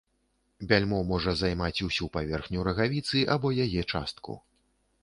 Бяльмо можа займаць усю паверхню рагавіцы або яе частку.